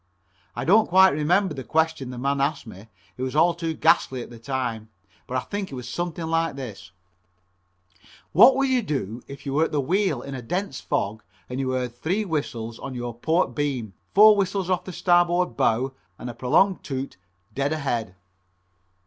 I don't quite remember the question that man asked me, it was all too ghastly at the time, but I think it was something like this: "What would you do if you were at the wheel in a dense fog and you heard three whistles on your port beam, four whistles off the starboard bow, and a prolonged toot dead ahead?"